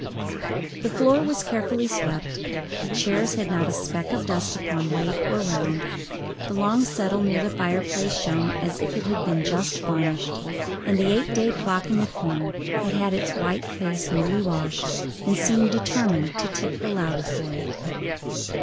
The floor was carefully swept, the chairs had not a speck of dust upon leg or round, the long settle near the fireplace shone as if it had been just varnished, and the eight day clock in the corner had had its white face newly washed, and seemed determined to tick the louder for it.